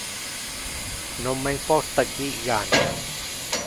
Non me importa qui gania.